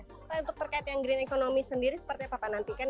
pak untuk terkait yang green economy sendiri seperti apa pak nantikan